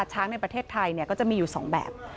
ช้างในประเทศไทยก็จะมีอยู่๒แบบ